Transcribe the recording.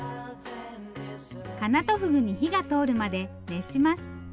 カナトフグに火が通るまで熱します。